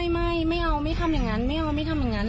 ไม่ไม่เอาไม่ทำอย่างนั้นไม่เอาไม่ทำอย่างนั้น